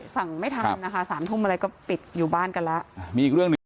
สั่งไม่ทำนะคะ๓ทุ่มอะไรก็ปิดอยู่บ้านกันแล้ว